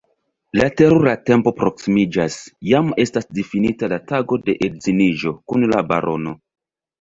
La terura tempo proksimiĝas: jam estas difinita la tago de edziniĝo kun la barono.